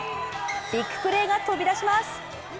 ビッグプレーが飛び出します。